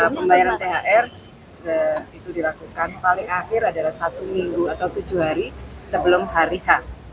pembayaran thr itu dilakukan paling akhir adalah satu minggu atau tujuh hari sebelum hari h